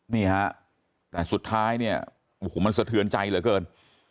นี่ฮะแต่สุดท้ายเนี่ยโอ้โหมันสะเทือนใจเหลือเกิน